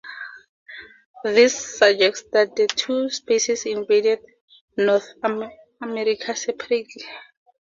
This suggests that the two species invaded North America separately.